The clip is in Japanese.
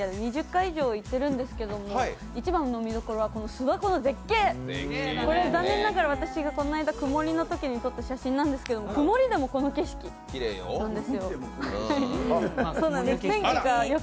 ２０回以上行っているんですけれども、一番の見どころは諏訪湖の絶景、これ残念ながら私が、この間曇りのときに撮った写真なんですけど、曇りでもこの景色なんですよ